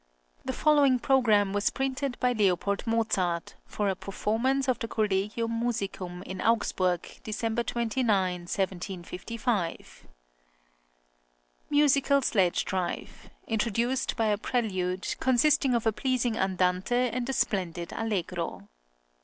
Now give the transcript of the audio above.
The following programme was printed by L. Mozart, for a performance of the Collegium Musicum in Augsburg, December 29, 1755: MUSICAL SLEDGE DRIVE. Introduced by a prelude, consisting of a pleasing andante and a splendid allegro.